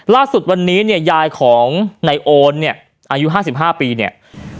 ล่าสุดวันนี้เนี่ยยายของนายโอนเนี่ยอายุ๕๕ปีเนี่ย